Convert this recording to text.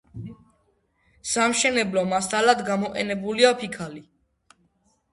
სამშენებლო მასალად გამოყენებულია ფიქალი.